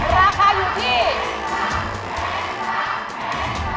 ราคาอยู่ที่